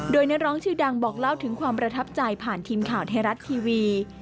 โดยนักร้องชื่อดังบอกเล่าถึงความประทับใจผ่านทีมข่าวไทยรัฐทีวี